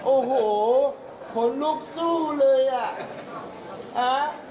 โอ้โหหลุกสู้เลยอะ